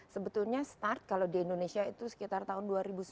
sebetulnya start kalau di indonesia itu sekitar tahun dua ribu sembilan belas